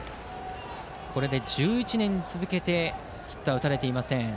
これで１１人続けてヒットは打たれていません。